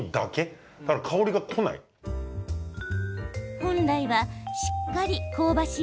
本来はしっかり香ばしい